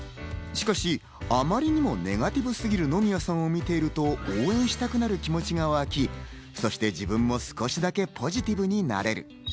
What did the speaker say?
しかし、あまりにもネガティブすぎる野宮さんを見ていると、応援したくなる気持ちが湧き、そして少しだけ自分もポジティブになれる。